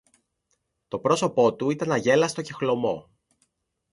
Το πρόσωπο του ήταν αγέλαστο και χλωμό.